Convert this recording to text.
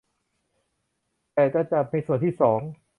แต่จะจัดในส่วนที่สอง